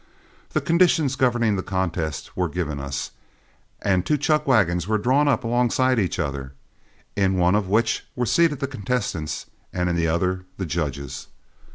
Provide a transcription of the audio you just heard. The conditions governing the contest were given us, and two chuck wagons were drawn up alongside each other, in one of which were seated the contestants and in the other the judges.